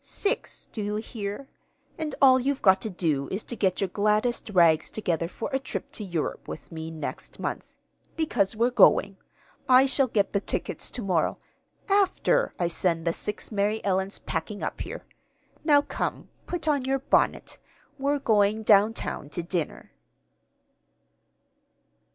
Six! Do you hear? And all you've got to do is to get your gladdest rags together for a trip to Europe with me next month. Because we're going. I shall get the tickets to morrow, after I send the six Mary Ellens packing up here. Now come, put on your bonnet. We're going down town to dinner."